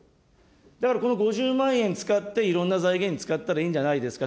だからこの５０万円使って、いろんな財源に使ったらいいんじゃないですか。